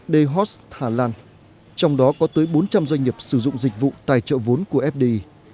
dehos hà lan trong đó có tới bốn trăm linh doanh nghiệp sử dụng dịch vụ tài trợ vốn của fdi